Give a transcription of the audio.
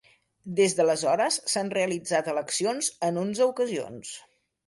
Des d'aleshores s'han realitzat eleccions en onze ocasions.